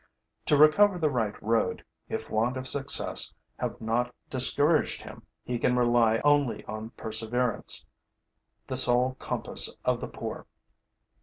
To recover the right road, if want of success have not discouraged him, he can rely only on perseverance, the sole compass of the poor.